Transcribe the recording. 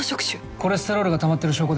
コレステロールがたまってる証拠です。